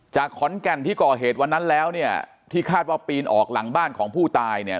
ขอนแก่นที่ก่อเหตุวันนั้นแล้วเนี่ยที่คาดว่าปีนออกหลังบ้านของผู้ตายเนี่ย